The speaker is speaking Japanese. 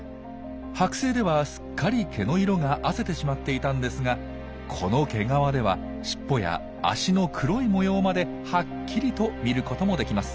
はく製ではすっかり毛の色があせてしまっていたんですがこの毛皮ではしっぽや脚の黒い模様まではっきりと見ることもできます。